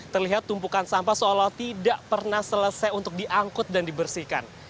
terlihat tumpukan sampah seolah tidak pernah selesai untuk diangkut dan dibersihkan